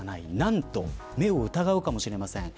なんと目を疑うかもしれません。